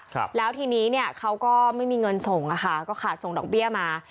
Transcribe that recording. ครับแล้วทีนี้เนี่ยเขาก็ไม่มีเงินส่งอ่ะค่ะก็ขาดส่งดอกเบี้ยมา